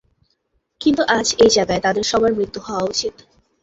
কিন্তু আজ এই জায়গায় তাদের সবার মৃত্যু হওয়া উচিত।